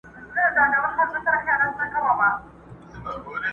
سره غرمه وه لار اوږده بټي بیابان وو؛